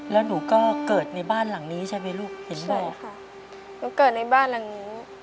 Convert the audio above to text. แล้วหนูก็เกิดในบ้านหลังนี้ใช่ไหมลูกเห็นบ่อยค่ะหนูเกิดในบ้านหลังนี้